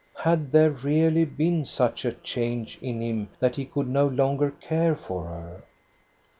Had there really been such a change in him that he could no longer care for her?